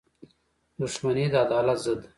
• دښمني د عدالت ضد ده.